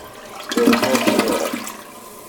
There was no funeral.